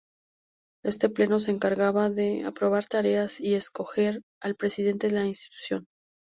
Este pleno se encargaba de aprobar tareas y escoger al presidente de la institución.